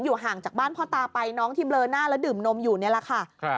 ห่างจากบ้านพ่อตาไปน้องที่เบลอหน้าแล้วดื่มนมอยู่นี่แหละค่ะ